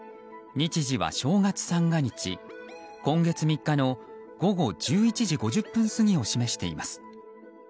日時は正月三が日、今月３日の午後１１時５０分過ぎを示しています。